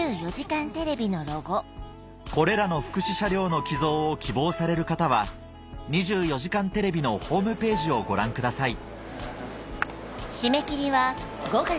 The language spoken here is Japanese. これらの福祉車両の寄贈を希望される方は『２４時間テレビ』のホームページをご覧ください